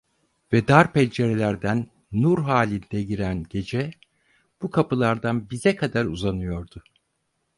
Ve dar pencerelerden nur halinde giren gece bu kapılardan bize kadar uzanıyordu.